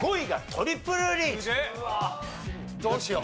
どうしよう。